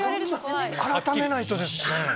改めないとですね。